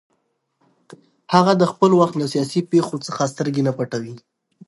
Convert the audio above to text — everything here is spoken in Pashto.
هغه د خپل وخت له سیاسي پېښو څخه سترګې نه وې پټې کړې